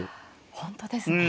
本当ですね。